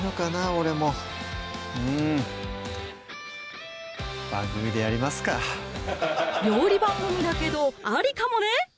俺もうん番組でやりますか料理番組だけどありかもね！